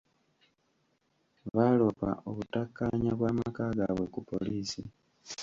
Baalopa okutakkaanya bw'amaka gaabwe ku poliisi.